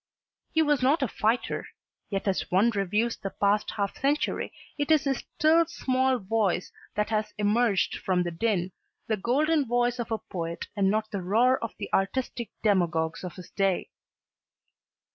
He was not a fighter, yet as one reviews the past half century it is his still small voice that has emerged from the din, the golden voice of a poet and not the roar of the artistic demagogues of his day.